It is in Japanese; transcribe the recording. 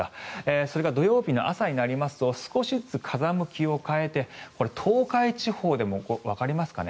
それが土曜日の朝になりますと少しずつ風向きを変えてこれは東海地方でもわかりますかね